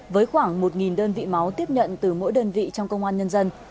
với khoảng một đơn vị máu tiếp nhận từ mỗi đơn vị trong công an nhân dân